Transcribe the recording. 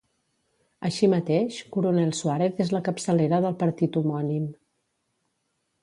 Així mateix, Coronel Suárez és la capçalera del partit homònim.